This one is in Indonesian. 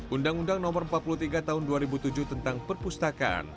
undang undang no empat puluh tiga tahun dua ribu tujuh tentang perpustakaan